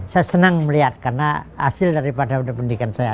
saya senang melihat karena hasil daripada pendidikan saya